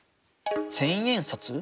千円札？